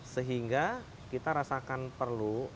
sehingga kita rasakan perlu